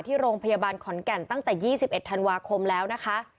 ที่โรงพยาบาลขอนแก่นตั้งแต่๒๑ธันวาคมแล้วนะคะ